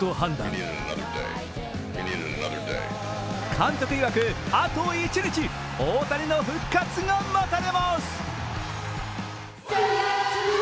監督いわく、あと一日、大谷の復活が待たれます。